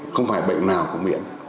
không phải bệnh nào có miễn